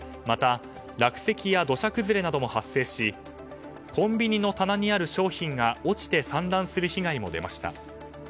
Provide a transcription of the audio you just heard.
また、落石や土砂崩れなども発生しコンビニの棚にある商品が落ちて散乱する被害も出ました。